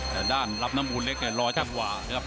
แต่ด้านลำน้ำงูลเล็กเนี่ยรอจากขวา